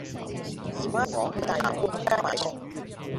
姨媽同我去大欖冠峰街買餸